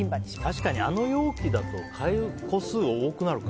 確かにあの容器だと買える個数が多くなるか。